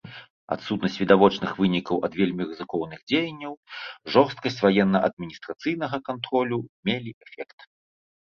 Адсутнасць відавочных вынікаў ад вельмі рызыкоўных дзеянняў, жорсткасць ваенна-адміністрацыйнага кантролю мелі эфект.